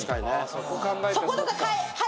そことか。